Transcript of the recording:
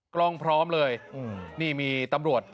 กล้องพร้อมเลยนี่มีตำรวจ